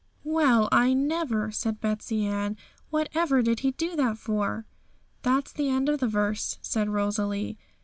'Well, I never!' said Betsey Ann; 'whatever did He do that for?' 'That's the end of the verse,'said Rosalie.